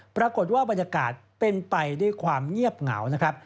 ปรากฏว่าบรรยากาศเป็นไปด้วยความเงียบเหงานะครับ